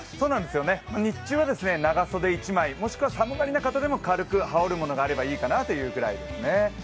日中は長袖１枚、もしくは寒がりの方でも軽く羽織るものがあればいいかなっていうぐらいですね。